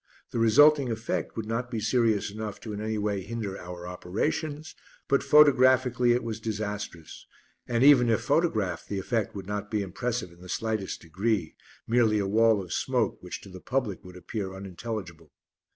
The resulting effect would not be serious enough to in any way hinder our operations, but photographically it was disastrous, and even if photographed the effect would not be impressive in the slightest degree, merely a wall of smoke which to the public would appear unintelligible.